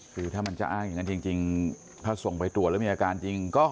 คือถ้ามันจะอ้างอย่างนั้นจริงถ้าส่งไปตรวจแล้วมีอาการจริงก็